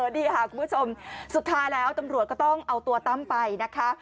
นี่ค่ะคุณผู้ชมสุดท้ายแล้วตำรวจก็ต้องเอาตัวตั้มไปนะคะ